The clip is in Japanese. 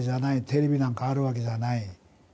テレビなんかあるわけじゃない。